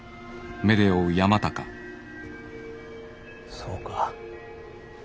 そうか。